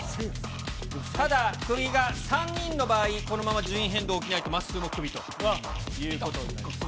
ただ、クビが３人の場合、このまま順位変動起きないと、まっすーもクビということです。